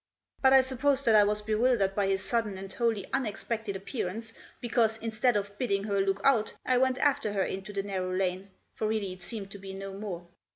But I suppose that I was bewildered by his sudden and wholly unexpected appearance, because, instead of bidding her look out, I went after her into the narrow lane, for really it seemed to be no more.